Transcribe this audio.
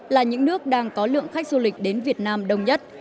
là những nước đang có lượng khách du lịch đến việt nam đông nhất